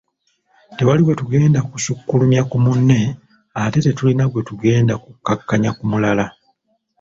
Tewali gwe tugenda kusukkulumya ku munne ate tetulina gwe tugenda kukkakkanya ku mulala.”